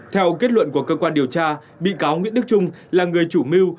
theo kết luận của cơ quan điều tra bị cáo nguyễn đức trung là người chủ mưu